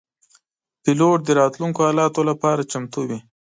پیلوټ د راتلونکو حالاتو لپاره چمتو وي.